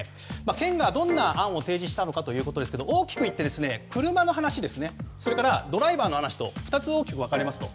県がどんな案を提示したのかということですが大きくいって、車の話それからドライバーの話と２つ大きく分かれますと。